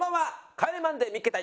『帰れマンデー見っけ隊！！』